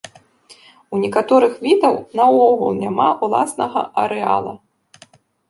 У некаторых відаў наогул няма ўласнага арэала.